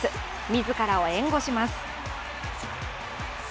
自らを援護します。